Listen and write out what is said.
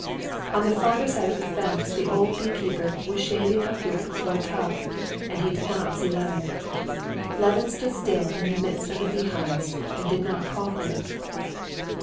On the farther side of the fence the old bee keeper was shaving a hoop for a tub, and he did not see Levin. Levin stood still in the midst of the beehives and did not call him.